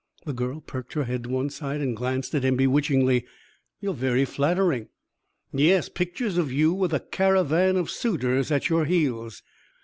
The girl perked her head to one side and glanced at him bewitchingly, "You're very flattering!" "Yes, pictures of you with a caravan of suitors at your heels."